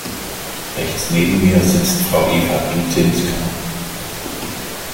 Rechts neben mir sitzt Frau Eva Dudzinska.